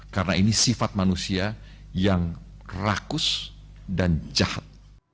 karena ini sifat manusia yang rakus dan jahat